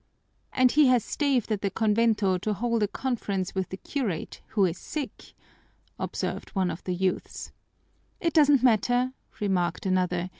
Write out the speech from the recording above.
"And he has staved at the convento to hold a conference with the curate, who is sick," observed one of the youths. "It doesn't matter," remarked another.